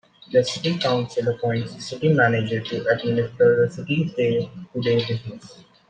The City Council appoints a city manager to administer the city's day-to-day business.